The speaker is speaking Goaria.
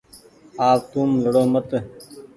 آپ توم لڙو مت